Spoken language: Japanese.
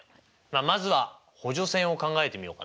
まずは補助線を考えてみようかな。